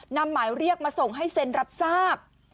หมายเรียกมาส่งให้เซ็นรับทราบ